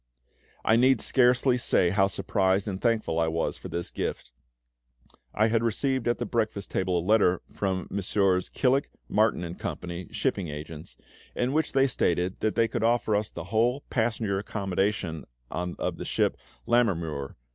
I need scarcely say how surprised and thankful I was for this gift. I had received at the breakfast table a letter from Messrs. Killick, Martin and Co., shipping agents, in which they stated that they could offer us the whole passenger accommodation of the ship Lammermuir.